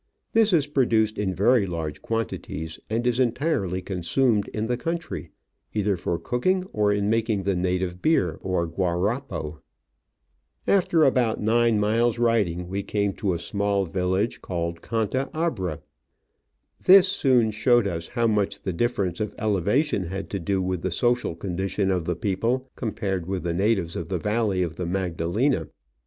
This is produced in very large quantities, and is entirely consumed in the country, either for cooking or in making the native beer, ox gttarapo. After about nine miles' riding, we came to a small village called Canta Digitized by Google ' OF AN Orchid Hunter. 79 Abra. This soon showed us how much the difference of elevation had to do with the social condition of the people, compared with the natives of the valley of the Magdalena.